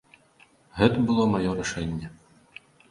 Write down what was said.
Гэта было маё рашэнне.